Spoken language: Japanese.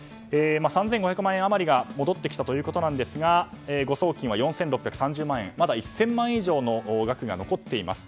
３５００万円余りが戻ってきたということですが誤送金は４６３０万円なのでまだ１０００万以上の額が残っています。